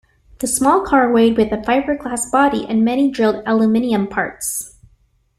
The small car weighed with a fiberglass body and many drilled aluminium parts.